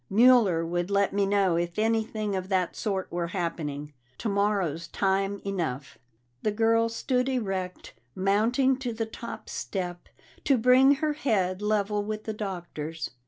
Mueller would let me know if anything of that sort were happening. Tomorrow's time enough." The girl stood erect, mounting to the top step to bring her head level with the Doctor's.